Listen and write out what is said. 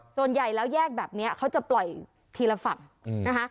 ส่วนใหญ่แล้วแยกแบบนี้เขาจะปล่อยทีละฝั่งนะคะ